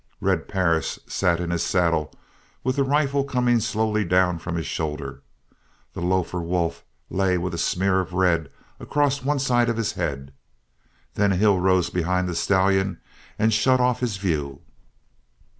Red Perris sat in his saddle with the rifle coming slowly down from his shoulder. The lofer wolf lay with a smear of red across one side of his head. Then a hill rose behind the stallion and shut off his view.